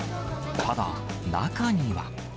ただ、中には。